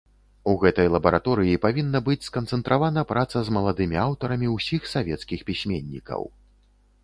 У гэтай лабараторыі павінна быць сканцэнтравана праца з маладымі аўтарамі ўсіх савецкіх пісьменнікаў.